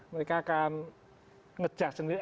mereka akan ngejar sendiri